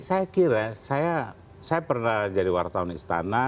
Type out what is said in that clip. saya kira saya pernah jadi wartawan istana